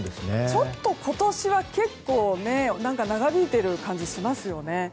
ちょっと今年は結構長引いている感じがしますね。